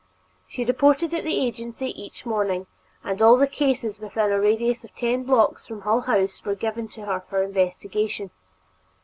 She reported at the agency each morning, and all the cases within a radius of ten blocks from Hull House were given to her for investigation.